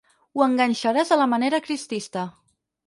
Ho enganxaràs a la manera cristista.